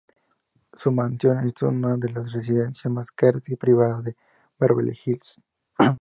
Su mansión es una de las residencias más caras y privadas de Beverly Hills.